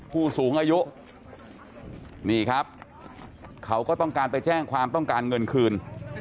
ผู้สูงอายุนี่ครับเขาก็ต้องการไปแจ้งความต้องการเงินคืน